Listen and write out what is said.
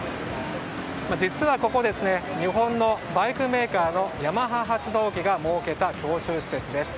実は、ここは日本のバイクメーカーのヤマハ発動機が設けた教習施設です。